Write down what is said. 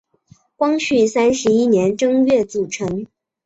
光绪三十一年正月组成。